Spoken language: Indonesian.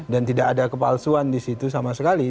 dan tidak ada kepalsuan disitu sama sekali